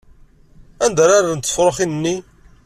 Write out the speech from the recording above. Anda ara rrent tefṛuxin-nni?